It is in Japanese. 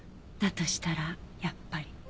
だとしたらやっぱり。